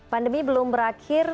pandemi belum berakhir